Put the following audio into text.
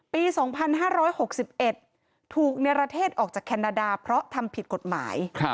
ปี๒๕๖๑ถูกเนรเทศออกจากแคนาดาเพราะทำผิดกฎหมาย